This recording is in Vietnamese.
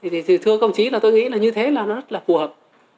thì thưa công chí là tôi nghĩ như thế là nó rất là phù hợp